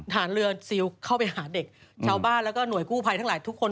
ฐานเรือซิลเข้าไปหาเด็กชาวบ้านแล้วก็หน่วยกู้ภัยทั้งหลายทุกคน